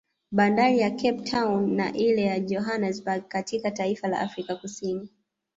Bandari ya Cape town na ile ya Johanesberg katika taifa ka Afrika Kusini